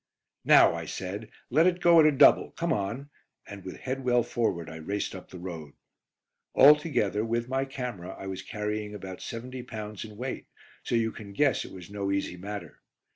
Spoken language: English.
"Now," I said, "let it go at a double. Come on," and with head well forward I raced up the road. Altogether, with my camera, I was carrying about seventy pounds in weight, so you can guess it was no easy matter.